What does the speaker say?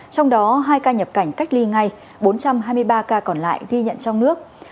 trong đó hai ca nhập cảnh cách ly ngay bốn trăm hai mươi ba ca còn lại ghi nhận trong nước